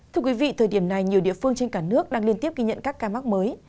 thưa quý vị thời điểm này nhiều địa phương trên cả nước đang liên tiếp ghi nhận các ca mắc mới